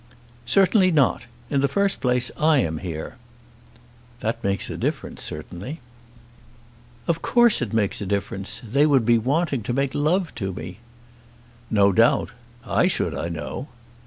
"Certainly not. In the first place, I am here." "That makes a difference, certainly." "Of course it makes a difference. They would be wanting to make love to me." "No doubt. I should, I know."